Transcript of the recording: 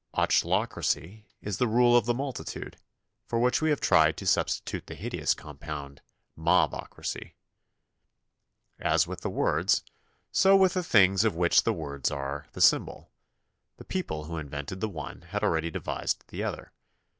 Ochlocracy is the rule of the multitude, for which we have tried to substitute the hideous compound "mobocracy." As with the words, so with the things of which the words are the symbol; the people who invented the one had already devised the other.